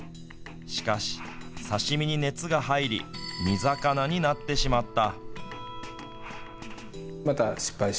しかし、刺身に熱が入り煮魚になってしまった。